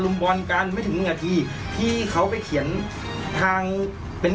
สนุนโดยสายการบินไทยนครปวดท้องเสียขับลมแน่นท้อง